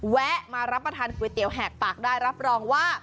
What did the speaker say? แวะมารับประทานก๋วยเตี๋ยแหกปากได้รับรองว่า